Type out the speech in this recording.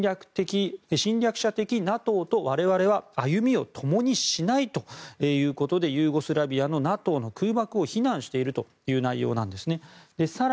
侵略者的ＮＡＴＯと我々は歩みを共にしないということでユーゴスラビアへのＮＡＴＯの空爆を非難している内容です。